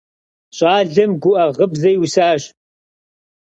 Щӏалэм гуӏэ гъыбзэ иусащ.